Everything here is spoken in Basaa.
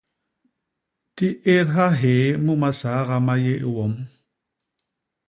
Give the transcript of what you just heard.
Di édha hyéé mu masaga ma yé i wom.